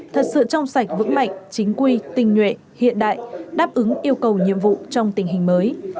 thật sự trong sạch vững mạnh chính quy tình nhuệ hiện đại đáp ứng yêu cầu nhiệm vụ trong tình hình mới